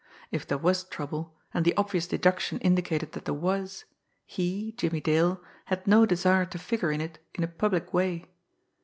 If there was trouble, and the obvious deduction indicated that there was, he, Jimmie Dale, had no desire to figure in it in a public way.